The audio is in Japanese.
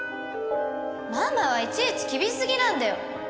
ママはいちいち厳しすぎなんだよ！